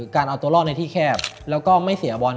การเอาตัวรอดในที่แคบแล้วก็ไม่เสียบอล